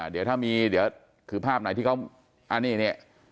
เดี๋ยวถ้ามีเดี๋ยวคือภาพไหนที่เขาอันนี้เนี่ย